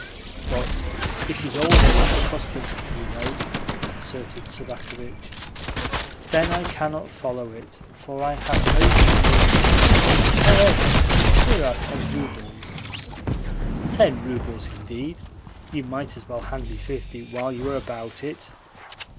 "But it is always the custom, you know," asserted Sobakevitch. "Then I cannot follow it, for I have no money with me. However, here are ten roubles." "Ten roubles, indeed? You might as well hand me fifty while you are about it."